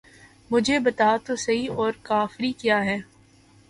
مجھے بتا تو سہی اور کافری کیا ہے!